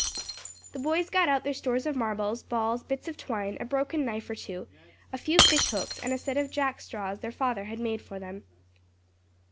The boys got out their stores of marbles, balls, bits of twine, a broken knife or two, a few fish hooks and a set of Jackstraws their father had made for them.